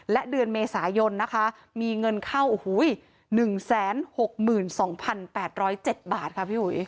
และเดือนเมษายนนะคะมีเงินเข้า๑๖๒๘๐๗บาทค่ะพี่อุ๋ย